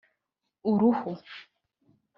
uruhu